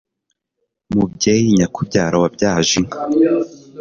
mubyeyi nyakubyara wabyaje inka